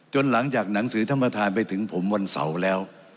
หลังจากหนังสือท่านประธานไปถึงผมวันเสาร์แล้ว